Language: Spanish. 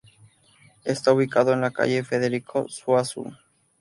Está ubicado en la calle Federico Zuazo.